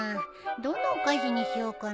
どのお菓子にしようかな。